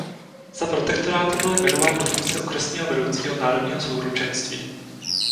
Za protektorátu byl jmenován do funkce okresního vedoucího Národního souručenství.